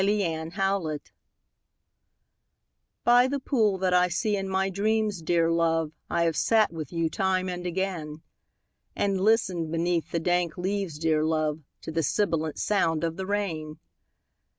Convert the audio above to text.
THE POOL By the pool that I see in my dreams, dear love, I have sat with you time and again; And listened beneath the dank leaves, dear love, To the sibilant sound of the rain.